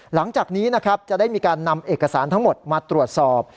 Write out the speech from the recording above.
หลังจากนี้นะครับจะได้มีการนำเอกสารทั้งหมดมาตรวจสอบ